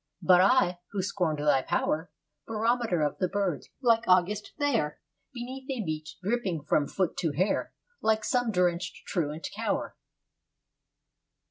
But I, who scorned thy power, Barometer of the birds, like August there, Beneath a beech, dripping from foot to hair, Like some drenched truant, cower.